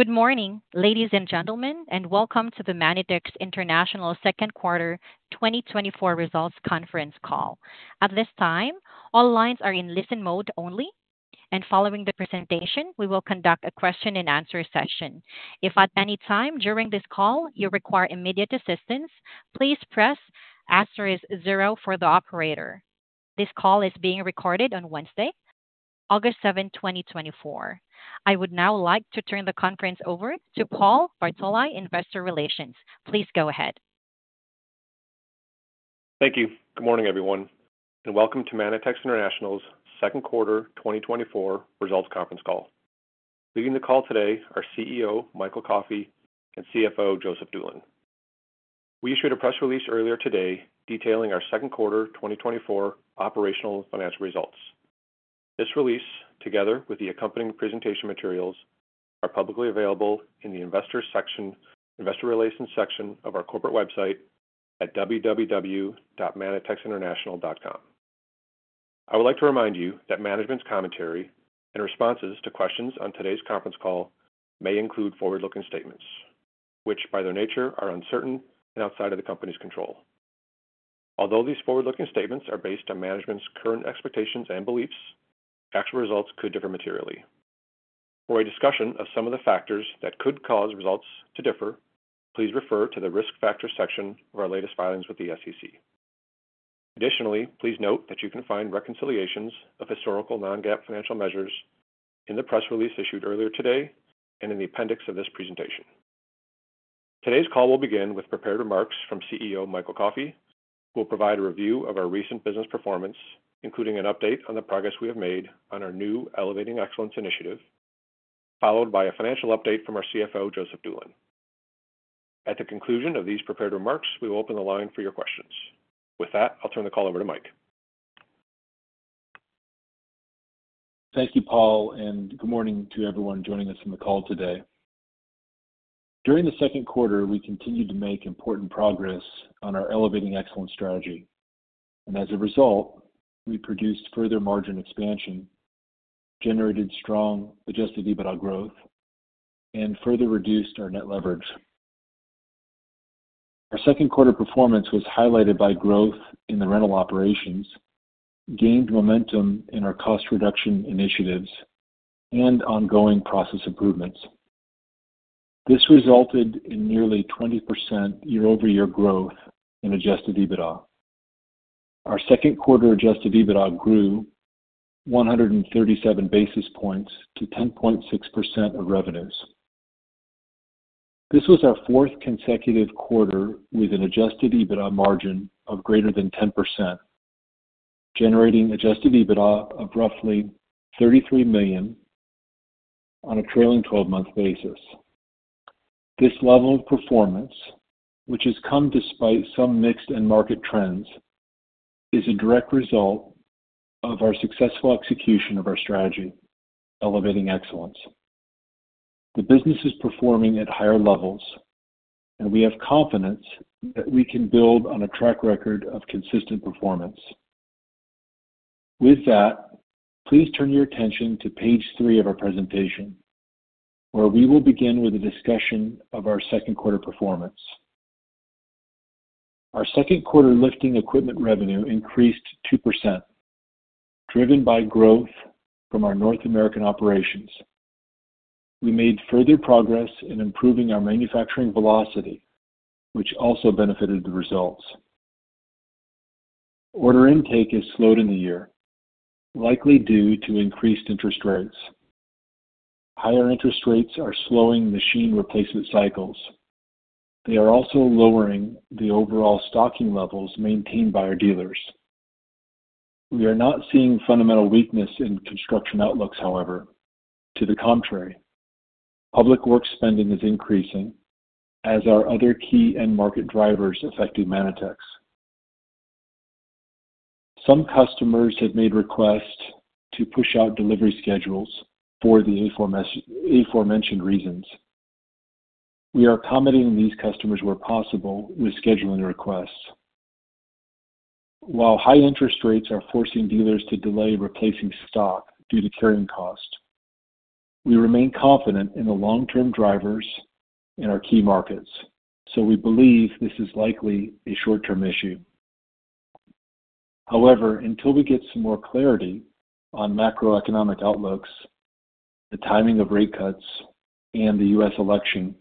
Good morning, ladies and gentlemen, and welcome to the Manitex International Second Quarter 2024 Results Conference call. At this time, all lines are in listen mode only, and following the presentation, we will conduct a question-and-answer session. If at any time during this call you require immediate assistance, please press asterisk zero for the operator. This call is being recorded on Wednesday, August 7, 2024. I would now like to turn the conference over to Paul Bartolai, Investor Relations. Please go ahead. Thank you. Good morning, everyone, and welcome to Manitex International's Second Quarter 2024 Results Conference call. Leading the call today are CEO Michael Coffey and CFO Joseph Doolan. We issued a press release earlier today detailing our Second Quarter 2024 operational and financial results. This release, together with the accompanying presentation materials, is publicly available in the Investor Relations section of our corporate website at www.manitexinternational.com. I would like to remind you that management's commentary and responses to questions on today's conference call may include forward-looking statements, which by their nature are uncertain and outside of the company's control. Although these forward-looking statements are based on management's current expectations and beliefs, actual results could differ materially. For a discussion of some of the factors that could cause results to differ, please refer to the Risk Factors section of our latest filings with the SEC. Additionally, please note that you can find reconciliations of historical non-GAAP financial measures in the press release issued earlier today and in the appendix of this presentation. Today's call will begin with prepared remarks from CEO Michael Coffey, who will provide a review of our recent business performance, including an update on the progress we have made on our new Elevating Excellence initiative, followed by a financial update from our CFO, Joseph Doolan. At the conclusion of these prepared remarks, we will open the line for your questions. With that, I'll turn the call over to Mike. Thank you, Paul, and good morning to everyone joining us in the call today. During the second quarter, we continued to make important progress on our Elevating Excellence strategy, and as a result, we produced further margin expansion, generated strong adjusted EBITDA growth, and further reduced our net leverage. Our second quarter performance was highlighted by growth in the rental operations, gained momentum in our cost reduction initiatives, and ongoing process improvements. This resulted in nearly 20% year-over-year growth in adjusted EBITDA. Our second quarter adjusted EBITDA grew 137 basis points to 10.6% of revenues. This was our fourth consecutive quarter with an adjusted EBITDA margin of greater than 10%, generating adjusted EBITDA of roughly $33 million on a trailing 12-month basis. This level of performance, which has come despite some mixed end-market trends, is a direct result of our successful execution of our strategy, Elevating Excellence. The business is performing at higher levels, and we have confidence that we can build on a track record of consistent performance. With that, please turn your attention to page three of our presentation, where we will begin with a discussion of our second quarter performance. Our second quarter lifting equipment revenue increased 2%, driven by growth from our North American operations. We made further progress in improving our manufacturing velocity, which also benefited the results. Order intake has slowed in the year, likely due to increased interest rates. Higher interest rates are slowing machine replacement cycles. They are also lowering the overall stocking levels maintained by our dealers. We are not seeing fundamental weakness in construction outlooks, however. To the contrary, public work spending is increasing, as are other key end market drivers affecting Manitex. Some customers have made requests to push out delivery schedules for the aforementioned reasons. We are accommodating these customers where possible with scheduling requests. While high interest rates are forcing dealers to delay replacing stock due to carrying cost, we remain confident in the long-term drivers in our key markets, so we believe this is likely a short-term issue. However, until we get some more clarity on macroeconomic outlooks, the timing of rate cuts, and the U.S. election,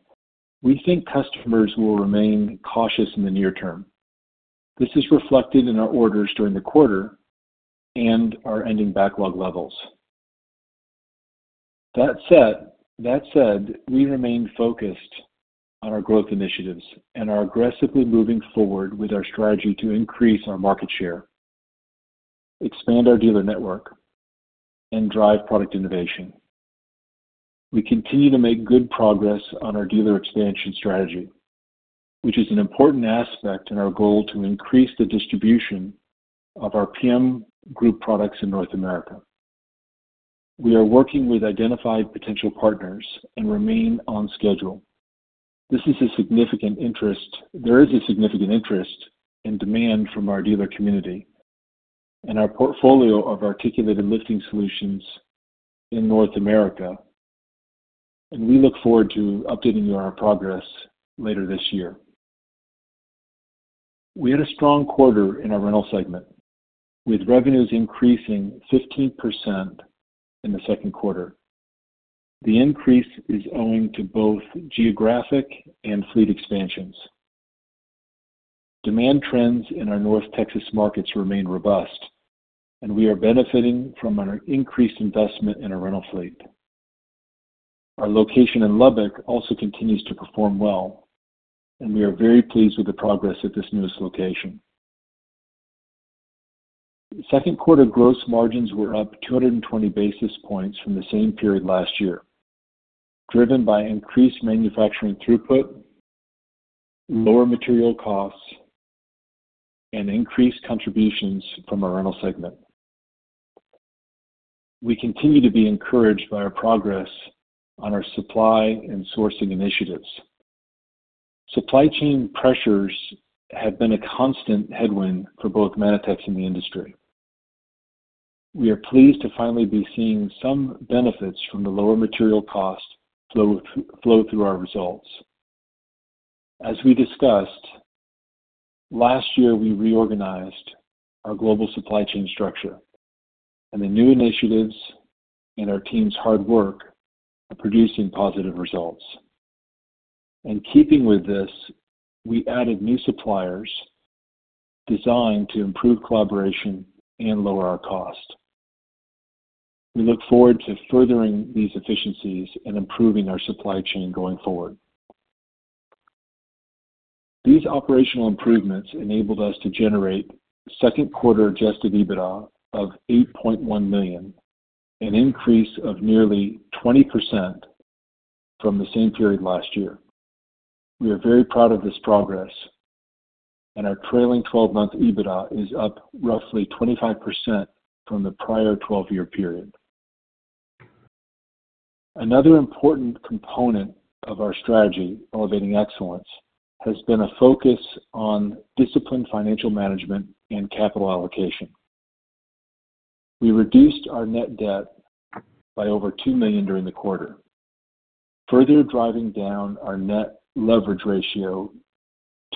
we think customers will remain cautious in the near term. This is reflected in our orders during the quarter and our ending backlog levels. That said, we remain focused on our growth initiatives and are aggressively moving forward with our strategy to increase our market share, expand our dealer network, and drive product innovation. We continue to make good progress on our dealer expansion strategy, which is an important aspect in our goal to increase the distribution of our PM Group products in North America. We are working with identified potential partners and remain on schedule. This is a significant interest. There is a significant interest and demand from our dealer community and our portfolio of articulated lifting solutions in North America, and we look forward to updating you on our progress later this year. We had a strong quarter in our rental segment, with revenues increasing 15% in the second quarter. The increase is owing to both geographic and fleet expansions. Demand trends in our North Texas markets remain robust, and we are benefiting from our increased investment in our rental fleet. Our location in Lubbock also continues to perform well, and we are very pleased with the progress at this newest location. Second quarter gross margins were up 220 basis points from the same period last year, driven by increased manufacturing throughput, lower material costs, and increased contributions from our rental segment. We continue to be encouraged by our progress on our supply and sourcing initiatives. Supply chain pressures have been a constant headwind for both Manitex and the industry. We are pleased to finally be seeing some benefits from the lower material costs flow through our results. As we discussed, last year we reorganized our global supply chain structure, and the new initiatives and our team's hard work are producing positive results. In keeping with this, we added new suppliers designed to improve collaboration and lower our cost. We look forward to furthering these efficiencies and improving our supply chain going forward. These operational improvements enabled us to generate second quarter adjusted EBITDA of $8.1 million, an increase of nearly 20% from the same period last year. We are very proud of this progress, and our trailing 12-month EBITDA is up roughly 25% from the prior 12-year period. Another important component of our strategy, Elevating Excellence, has been a focus on disciplined financial management and capital allocation. We reduced our net debt by over $2 million during the quarter, further driving down our net leverage ratio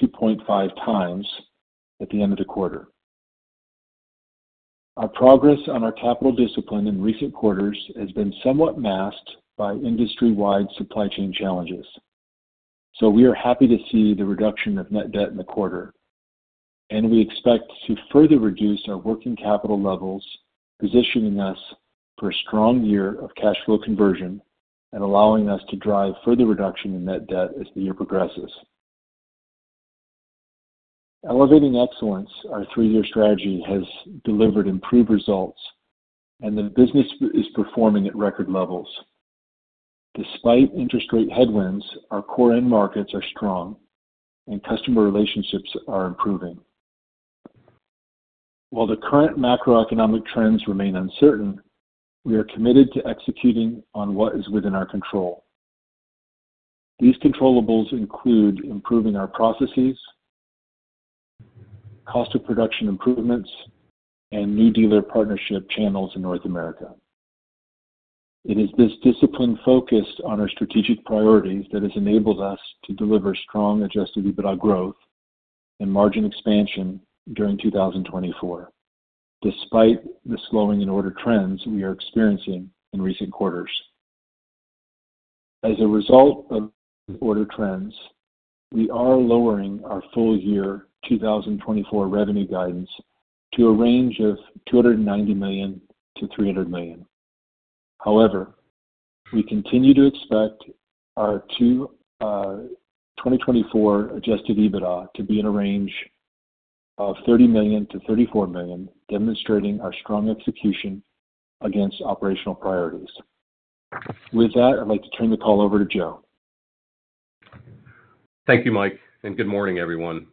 2.5x at the end of the quarter. Our progress on our capital discipline in recent quarters has been somewhat masked by industry-wide supply chain challenges, so we are happy to see the reduction of net debt in the quarter, and we expect to further reduce our working capital levels, positioning us for a strong year of cash flow conversion and allowing us to drive further reduction in net debt as the year progresses. Elevating Excellence, our three-year strategy, has delivered improved results, and the business is performing at record levels. Despite interest rate headwinds, our core end markets are strong, and customer relationships are improving. While the current macroeconomic trends remain uncertain, we are committed to executing on what is within our control. These controllables, include improving our processes, cost-of-production improvements, and new dealer partnership channels in North America. It is this discipline focused on our strategic priorities that has enabled us to deliver strong adjusted EBITDA growth and margin expansion during 2024, despite the slowing in order trends we are experiencing in recent quarters. As a result of order trends, we are lowering our full-year 2024 revenue guidance to a range of $290 million-$300 million. However, we continue to expect our 2024 adjusted EBITDA to be in a range of $30 million-$34 million, demonstrating our strong execution against operational priorities. With that, I'd like to turn the call over to Joe. Thank you, Mike, and good morning, everyone.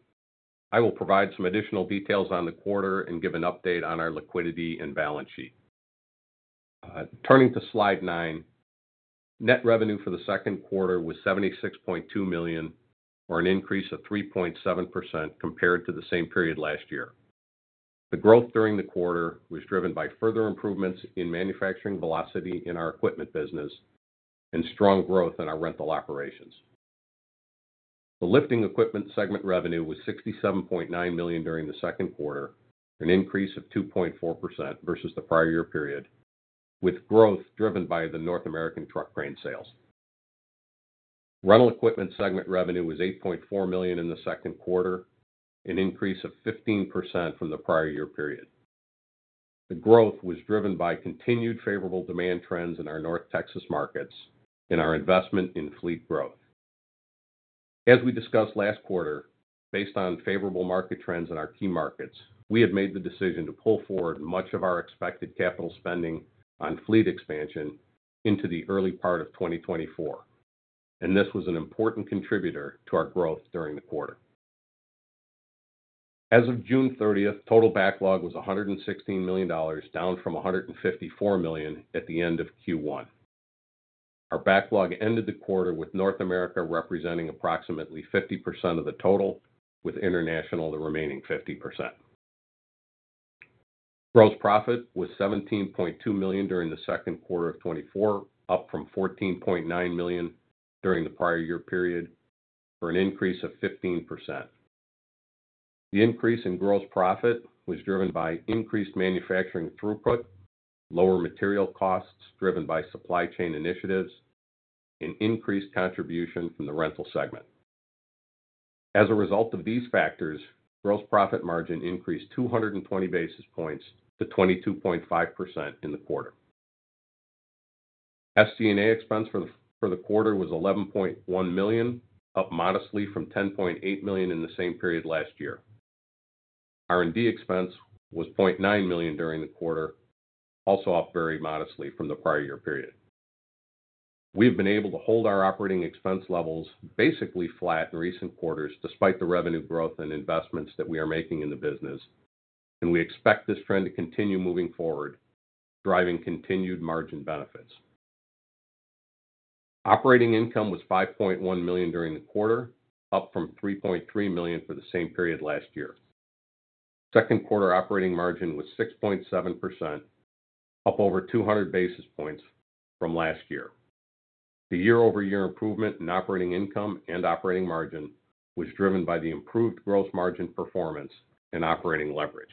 I will provide some additional details on the quarter and give an update on our liquidity and balance sheet. Turning to slide nine, net revenue for the second quarter was $76.2 million, or an increase of 3.7% compared to the same period last year. The growth during the quarter was driven by further improvements in manufacturing velocity in our equipment business and strong growth in our rental operations. The lifting equipment segment revenue was $67.9 million during the second quarter, an increase of 2.4% versus the prior year period, with growth driven by the North American truck crane sales. Rental equipment segment revenue was $8.4 million in the second quarter, an increase of 15% from the prior year period. The growth was driven by continued favorable demand trends in our North Texas markets and our investment in fleet growth. As we discussed last quarter, based on favorable market trends in our key markets, we had made the decision to pull forward much of our expected capital spending on fleet expansion into the early part of 2024, and this was an important contributor to our growth during the quarter. As of June 30th, total backlog was $116 million, down from $154 million at the end of Q1. Our backlog ended the quarter with North America representing approximately 50% of the total, with international the remaining 50%. Gross profit was $17.2 million during the second quarter of 2024, up from $14.9 million during the prior year period, for an increase of 15%. The increase in gross profit was driven by increased manufacturing throughput, lower material costs driven by supply chain initiatives, and increased contribution from the rental segment. As a result of these factors, gross profit margin increased 220 basis points to 22.5% in the quarter. SG&A expense for the quarter was $11.1 million, up modestly from $10.8 million in the same period last year. R&D expense was $0.9 million during the quarter, also up very modestly from the prior year period. We have been able to hold our operating expense levels basically flat in recent quarters, despite the revenue growth and investments that we are making in the business, and we expect this trend to continue moving forward, driving continued margin benefits. Operating income was $5.1 million during the quarter, up from $3.3 million for the same period last year. Second quarter operating margin was 6.7%, up over 200 basis points from last year. The year-over-year improvement in operating income and operating margin was driven by the improved gross margin performance and operating leverage.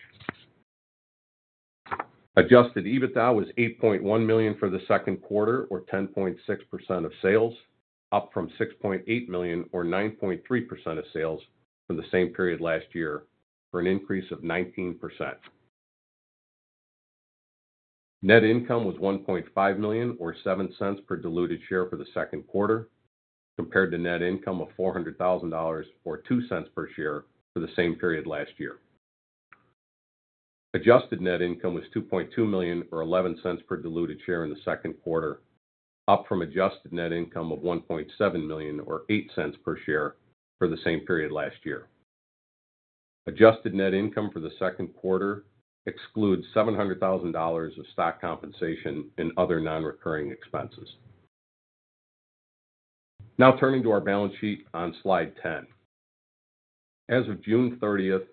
Adjusted EBITDA was $8.1 million for the second quarter, or 10.6% of sales, up from $6.8 million, or 9.3% of sales, from the same period last year, for an increase of 19%. Net income was $1.5 million, or $0.07 per diluted share for the second quarter, compared to net income of $400,000, or $0.02 per share for the same period last year. Adjusted net income was $2.2 million, or $0.11 per diluted share in the second quarter, up from adjusted net income of $1.7 million, or $0.08 per share for the same period last year. Adjusted net income for the second quarter excludes $700,000 of stock compensation and other non-recurring expenses. Now turning to our balance sheet on slide 10. As of June 30th,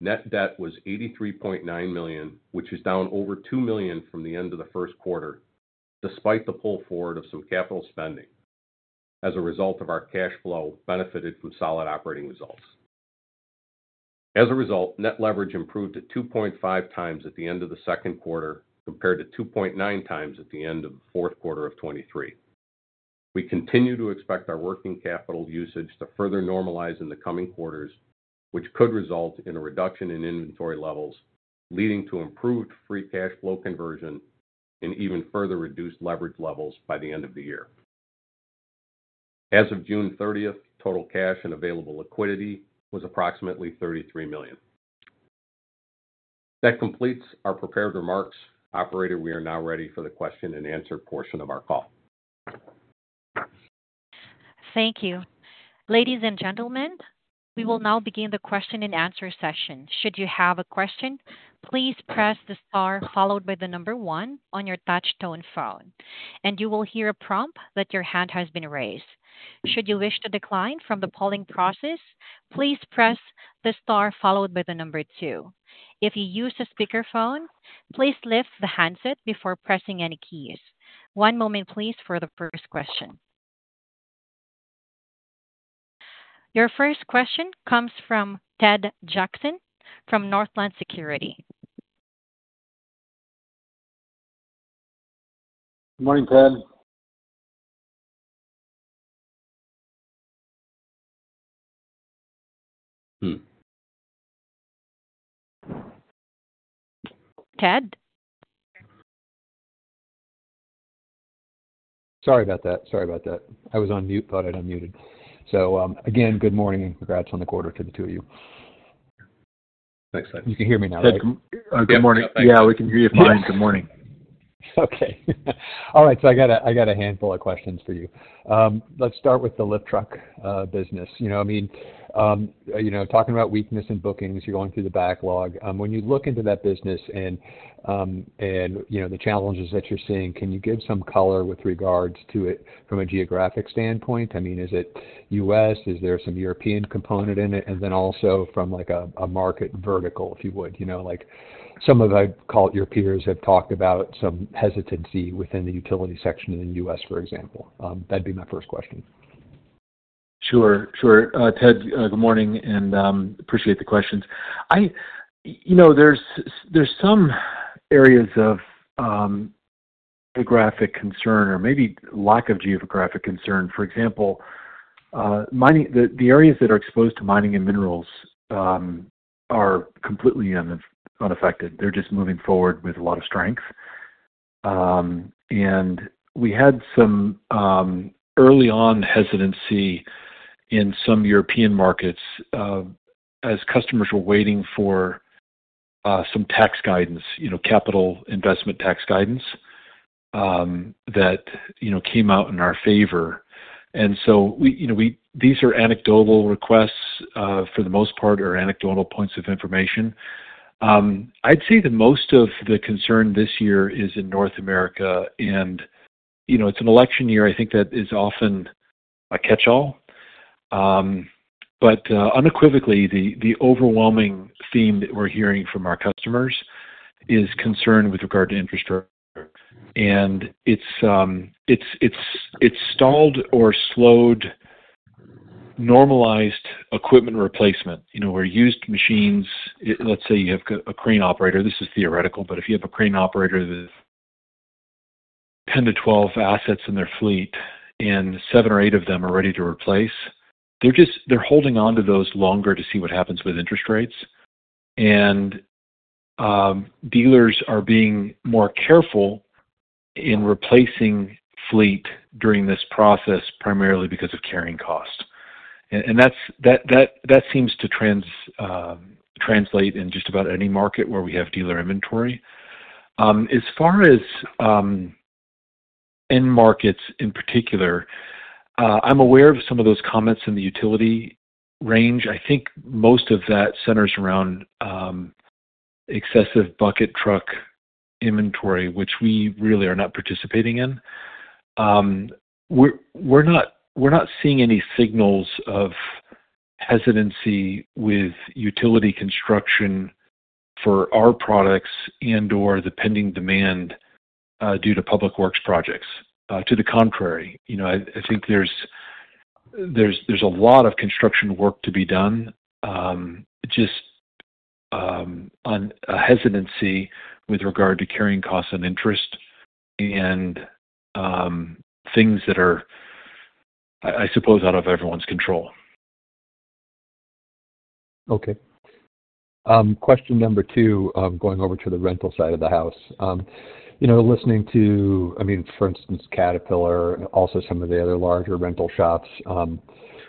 net debt was $83.9 million, which is down over $2 million from the end of the first quarter, despite the pull forward of some capital spending as a result of our cash flow benefited from solid operating results. As a result, net leverage improved to 2.5x at the end of the second quarter compared to 2.9x at the end of the fourth quarter of 2023. We continue to expect our working capital usage to further normalize in the coming quarters, which could result in a reduction in inventory levels, leading to improved free cash flow conversion and even further reduced leverage levels by the end of the year. As of June 30th, total cash and available liquidity was approximately $33 million. That completes our prepared remarks. Operator, we are now ready for the question-and-answer portion of our call. Thank you. Ladies and gentlemen, we will now begin the question-and-answer session. Should you have a question, please press the star followed by the number one on your touch-tone phone, and you will hear a prompt that your hand has been raised. Should you wish to decline from the polling process, please press the star followed by the number two. If you use a speakerphone, please lift the handset before pressing any keys. One moment, please, for the first question. Your first question comes from Ted Jackson from Northland Securities. Good morning, Ted. Ted? Sorry about that. Sorry about that. I was on mute, thought I'd unmuted. So again, good morning and congrats on the quarter to the two of you. Thanks, Ted. You can hear me now, right? Good morning. Yeah, we can hear you fine. Good morning. Okay. All right. So I got a handful of questions for you. Let's start with the lift truck business. I mean, talking about weakness in bookings, you're going through the backlog. When you look into that business and the challenges that you're seeing, can you give some color with regards to it from a geographic standpoint? I mean, is it U.S.? Is there some European component in it? And then also from a market vertical, if you would. Some of, I'd call it, your peers have talked about some hesitancy within the utility section in the U.S., for example. That'd be my first question. Sure. Sure. Ted, good morning, and appreciate the questions. There's some areas of geographic concern or maybe lack of geographic concern. For example, the areas that are exposed to mining and minerals are completely unaffected. They're just moving forward with a lot of strength. And we had some early-on hesitancy in some European markets as customers were waiting for some tax guidance, capital investment tax guidance that came out in our favor. And so these are anecdotal requests for the most part or anecdotal points of information. I'd say that most of the concern this year is in North America, and it's an election year. I think that is often a catch-all. But unequivocally, the overwhelming theme that we're hearing from our customers is concern with regard to infrastructure. And it's stalled or slowed normalized equipment replacement. With used machines, let's say you have a crane operator, this is theoretical, but if you have a crane operator with 10-12 assets in their fleet and 7 or 8 of them are ready to replace, they're holding on to those longer to see what happens with interest rates. Dealers are being more careful in replacing fleet during this process primarily because of carrying cost. That seems to translate in just about any market where we have dealer inventory. As far as end markets in particular, I'm aware of some of those comments in the utility range. I think most of that centers around excessive bucket truck inventory, which we really are not participating in. We're not seeing any signals of hesitancy with utility construction for our products and/or the pending demand due to public works projects. To the contrary, I think there's a lot of construction work to be done, just on a hesitancy with regard to carrying costs and interest and things that are, I suppose, out of everyone's control. Okay. Question number two, going over to the rental side of the house. Listening to, I mean, for instance, Caterpillar, also some of the other larger rental shops,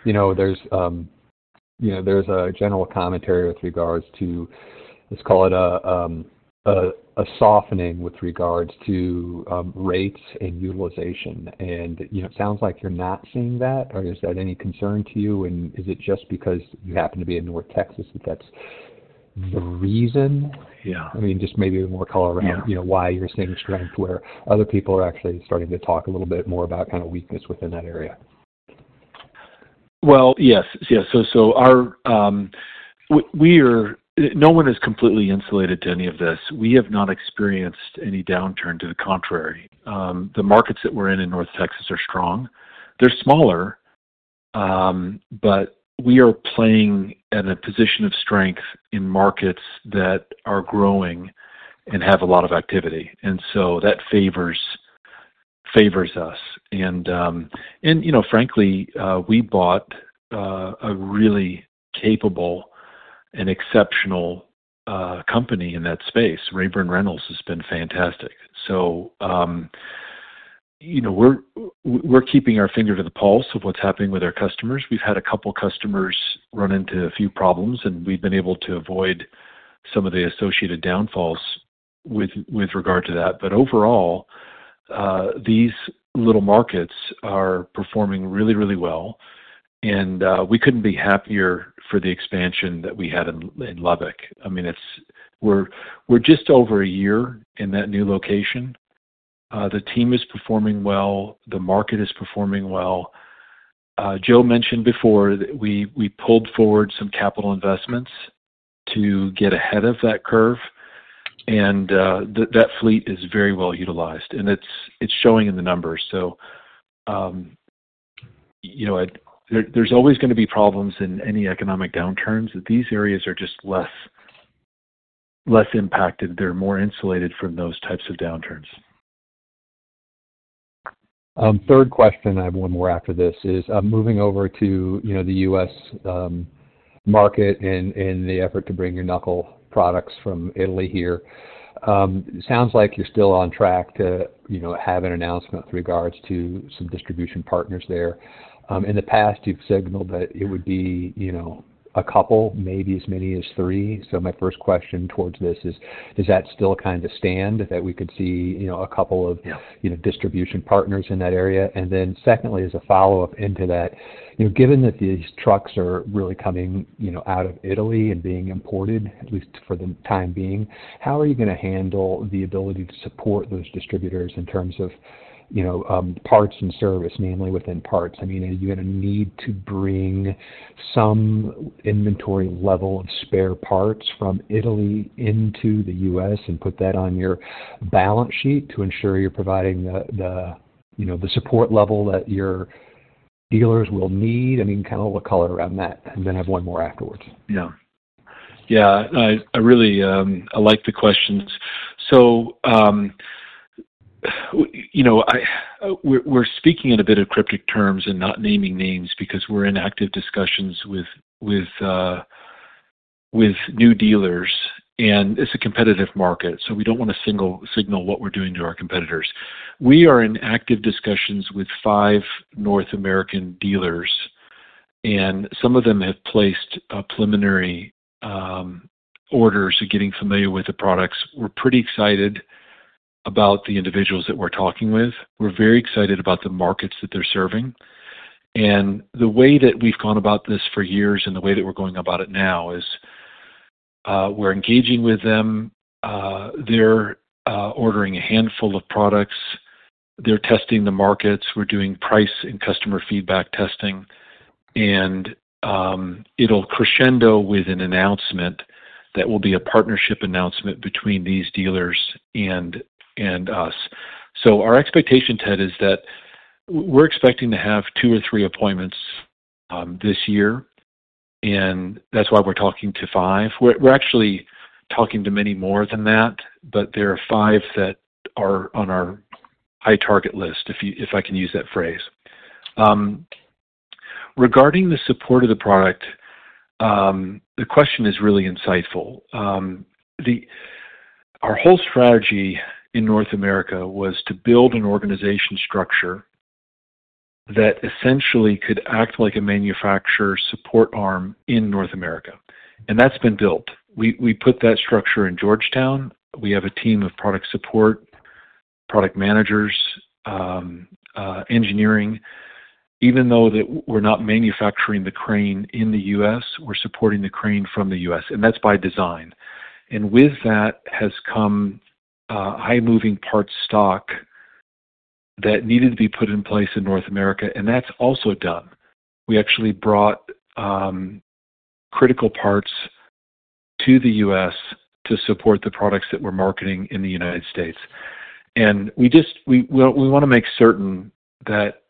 there's a general commentary with regards to, let's call it, a softening with regards to rates and utilization. And it sounds like you're not seeing that, or is that any concern to you? And is it just because you happen to be in North Texas that that's the reason? Yeah. I mean, just maybe more color around why you're seeing strength where other people are actually starting to talk a little bit more about kind of weakness within that area. Well, yes. Yeah. So no one is completely insulated to any of this. We have not experienced any downturn to the contrary, the markets that we're in in North Texas are strong. They're smaller, but we are playing at a position of strength in markets that are growing and have a lot of activity. And so that favors us. And frankly, we bought a really capable and exceptional company in that space. Rabern Rentals has been fantastic. So we're keeping our finger to the pulse of what's happening with our customers. We've had a couple of customers run into a few problems, and we've been able to avoid some of the associated downfalls with regard to that. But overall, these little markets are performing really, really well. And we couldn't be happier for the expansion that we had in Lubbock. I mean, we're just over a year in that new location. The team is performing well. The market is performing well. Joe mentioned before that we pulled forward some capital investments to get ahead of that curve. And that fleet is very well utilized. And it's showing in the numbers. So there's always going to be problems in any economic downturns. These areas are just less impacted. They're more insulated from those types of downturns. Third question. I have one more after this is, moving over to the U.S. market and the effort to bring your knuckle products from Italy here. Sounds like you're still on track to have an announcement with regards to some distribution partners there. In the past, you've signaled that it would be a couple, maybe as many as three. So my first question towards this is, is that still a kind of stance that we could see a couple of distribution partners in that area? And then secondly, as a follow-up into that, given that these trucks are really coming out of Italy and being imported, at least for the time being, how are you going to handle the ability to support those distributors in terms of parts and service, mainly within parts? I mean, are you going to need to bring some inventory level of spare parts from Italy into the U.S. and put that on your balance sheet to ensure you're providing the support level that your dealers will need? I mean, kind of a color around that. And then I have one more afterwards. Yeah. Yeah. I really like the questions. So we're speaking in a bit of cryptic terms and not naming names because we're in active discussions with new dealers. And it's a competitive market. So we don't want to signal what we're doing to our competitors. We are in active discussions with five North American dealers and some of them have placed preliminary orders or getting familiar with the products. We're pretty excited about the individuals that we're talking with. We're very excited about the markets that they're serving. And the way that we've gone about this for years and the way that we're going about it now is we're engaging with them. They're ordering a handful of products. They're testing the markets. We're doing price and customer feedback testing. And it'll crescendo with an announcement that will be a partnership announcement between these dealers and us. Our expectation, Ted, is that we're expecting to have 2 or 3 appointments this year. That's why we're talking to 5. We're actually talking to many more than that, but there are 5 that are on our high target list, if I can use that phrase. Regarding the support of the product, the question is really insightful. Our whole strategy in North America was to build an organization structure that essentially could act like a manufacturer support arm in North America. That's been built. We put that structure in Georgetown. We have a team of product support, product managers, engineering. Even though we're not manufacturing the crane in the U.S., we're supporting the crane from the U.S. That's by design. With that has come high-moving parts stock that needed to be put in place in North America. That's also done. We actually brought critical parts to the U.S. to support the products that we're marketing in the United States. We want to make certain that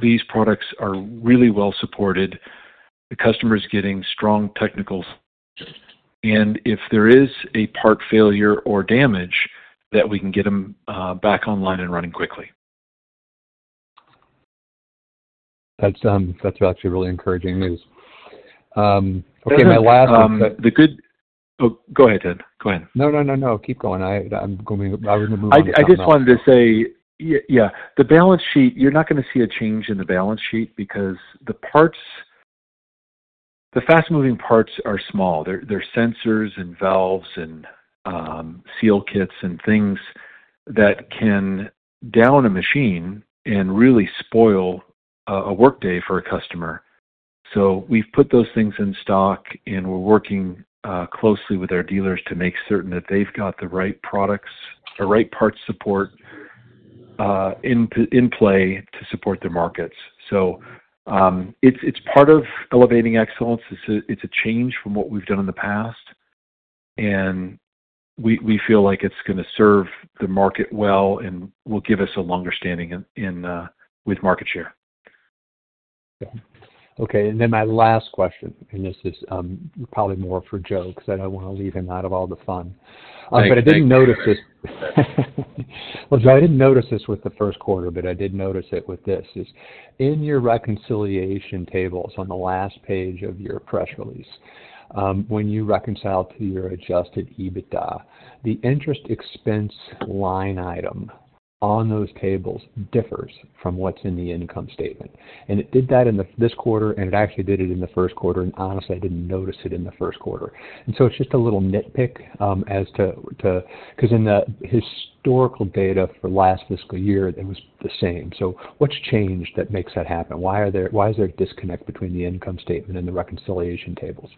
these products are really well supported. The customer is getting strong technical support. If there is a part failure or damage, that we can get them back online and running quickly. That's actually really encouraging news. Okay. My last. The good. Oh, go ahead, Ted. Go ahead. No, no, no, no. Keep going. I'm going to move on. I just wanted to say, yeah, the balance sheet, you're not going to see a change in the balance sheet because the fast-moving parts are small. They're sensors and valves and seal kits and things that can down a machine and really spoil a workday for a customer. So we've put those things in stock, and we're working closely with our dealers to make certain that they've got the right products, the right parts support in play to support their markets. So it's part of Elevating Excellence. It's a change from what we've done in the past. And we feel like it's going to serve the market well and will give us a longer standing with market share. Okay. And then my last question, and this is probably more for Joe because I don't want to leave him out of all the fun. But I didn't notice this. Well, I didn't notice this with the first quarter, but I did notice it with this. In your reconciliation tables on the last page of your press release, when you reconcile to your adjusted EBITDA, the interest expense line item on those tables differs from what's in the income statement. And it did that in this quarter, and it actually did it in the first quarter. And honestly, I didn't notice it in the first quarter. And so it's just a little nitpick as to because in the historical data for last fiscal year, it was the same. So what's changed that makes that happen? Why is there a disconnect between the income statement and the reconciliation tables?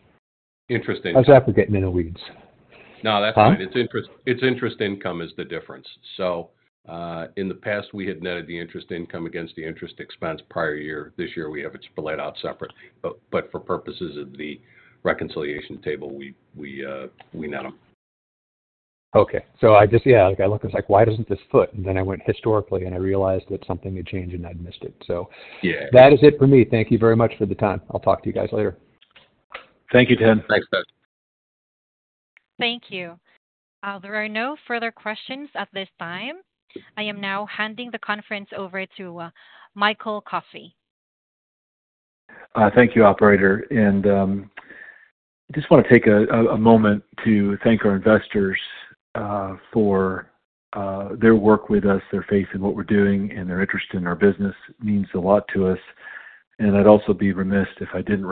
Interest income. I was getting into weeds. No, that's fine. It's interest income is the difference. So in the past, we had netted the interest income against the interest expense prior year. This year, we have it split out separate. But for purposes of the reconciliation table, we netted them. Okay. So yeah, I looked and was like, "Why doesn't this fit?" And then I went historically, and I realized that something had changed, and I'd missed it. So that is it for me. Thank you very much for the time. I'll talk to you guys later. Thank you, Ted. Thanks, Ted. Thank you. There are no further questions at this time. I am now handing the conference over to Michael Coffey. Thank you, operator. I just want to take a moment to thank our investors for their work with us, their faith in what we're doing, and their interest in our business means a lot to us. I'd also be remiss if I didn't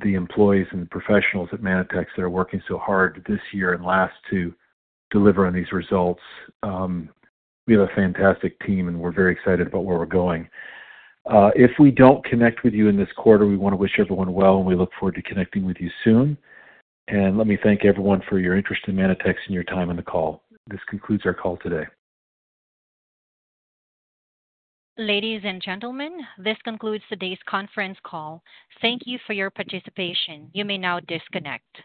recognize the employees and professionals at Manitex that are working so hard this year and last to deliver on these results. We have a fantastic team, and we're very excited about where we're going. If we don't connect with you in this quarter, we want to wish everyone well, and we look forward to connecting with you soon. Let me thank everyone for your interest in Manitex and your time on the call. This concludes our call today. Ladies and gentlemen, this concludes today's conference call. Thank you for your participation. You may now disconnect.